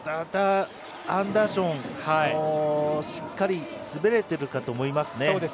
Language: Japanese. アンダーションしっかり滑れていると思いますね。